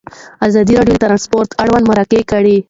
ازادي راډیو د ترانسپورټ اړوند مرکې کړي.